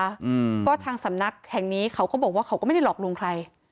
อืมก็ทางสำนักแห่งนี้เขาก็บอกว่าเขาก็ไม่ได้หลอกลวงใคร